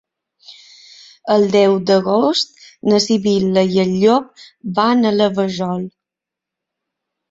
El deu d'agost na Sibil·la i en Llop van a la Vajol.